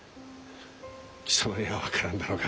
貴様には分からんだろうが。